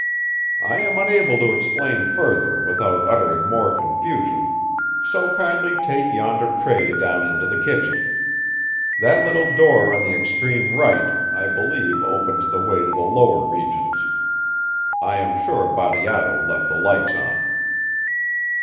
I am unable to explain further without uttering more confusion, so kindly take yonder tray down into the kitchen. That little door on the extreme right I believe opens the way to the lower regions. I am sure Bateato left the lights on."